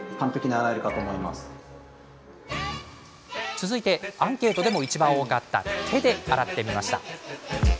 続いて、アンケートでもいちばん多かった手で洗ってみました。